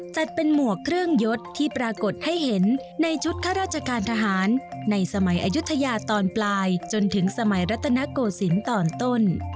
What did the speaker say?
จัดเป็นหมวกเครื่องยศที่ปรากฏให้เห็นในชุดข้าราชการทหารในสมัยอายุทยาตอนปลายจนถึงสมัยรัตนโกศิลป์ตอนต้น